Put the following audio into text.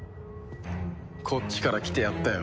こっちから来てやったよ。